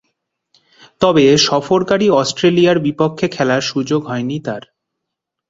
তবে সফরকারী অস্ট্রেলিয়ার বিপক্ষে খেলার সুযোগ হয়নি তার।